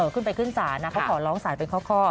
ขึ้นไปขึ้นศาลนะเขาขอร้องศาลเป็นข้อ